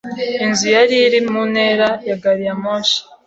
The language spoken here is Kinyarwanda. Inzu ya iri mu ntera ya gariyamoshi.